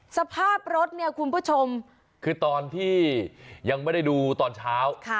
สภาพรถเนี่ยคุณผู้ชมคือตอนที่ยังไม่ได้ดูตอนเช้า